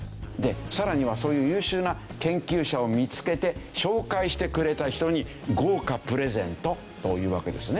更にはそういう優秀な研究者を見付けて紹介してくれた人に豪華プレゼントというわけですね。